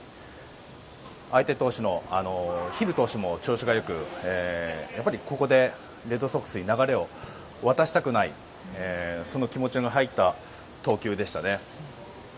相手投手のヒル投手も調子が良くやっぱり、ここでレッドソックスに流れを渡したくないその気持ちの入った投球でしたね。